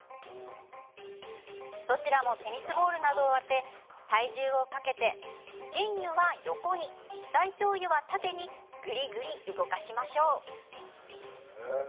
どちらもテニスボールなどを当て体重をかけて腎兪は横に、大腸兪は縦にぐりぐり動かしましょう。